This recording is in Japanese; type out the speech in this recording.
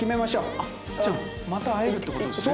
あっじゃあまた会えるって事ですね？